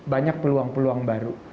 banyak peluang peluang baru